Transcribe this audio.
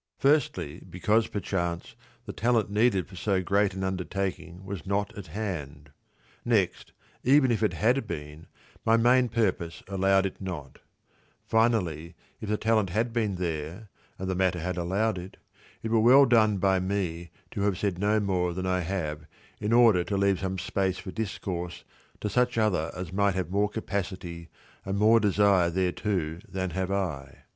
Firstly, because perchance the talent needed for so great an undertaking was not at hand ; next, even if it had been, my main purpose allowed it not ; finally, if the talent had been there and the matter had allowed it, it were well done by me to have said no more than I have in order to leave some space for discourse to such other as might have more capacity and more desire thereto than have I.